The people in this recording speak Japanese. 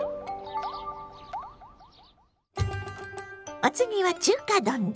お次は中華丼です。